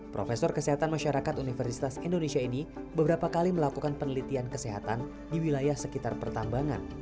profesor kesehatan masyarakat universitas indonesia ini beberapa kali melakukan penelitian kesehatan di wilayah sekitar pertambangan